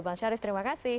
bang syarif terima kasih